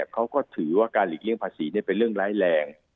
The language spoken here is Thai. เขาก็ถือว่าการหลีกเลี่ยงภาษีเป็นเรื่องร้ายแรง